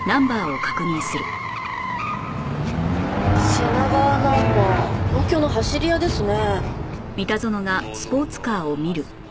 品川ナンバー東京の走り屋ですね。